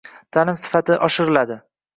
ta’lim sifatini oshiriladi.